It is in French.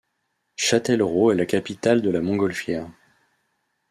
Châtellerault est la capitale de la montgolfière.